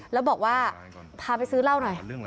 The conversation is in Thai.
แล้วบอกว่าพาไปซื้อเหล้าหน่อย